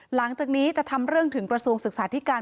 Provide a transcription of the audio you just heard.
หลังจากนี้จะทำเรื่องถึงกระทรวงศึกษาธิการ